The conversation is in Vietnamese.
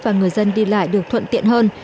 và người dân đi lại được thuận tiện hơn